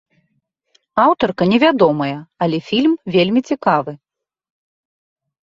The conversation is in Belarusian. Аўтарка невядомая, але фільм вельмі цікавы.